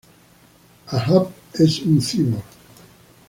Ahab es un cyborg.